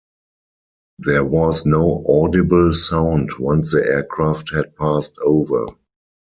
There was no audible sound once the aircraft had passed over.